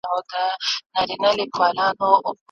پېړۍ قرنونه کیږي